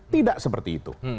tidak seperti itu